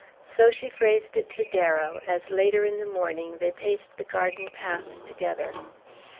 So she phrased it to Darrow, as, later in the morning, they paced the garden paths together.